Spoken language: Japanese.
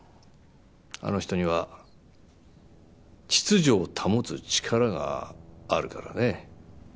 あの人には秩序を保つ力があるからね。